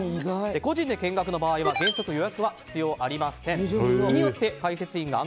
個人で見学の場合は原則予約は必要ありません。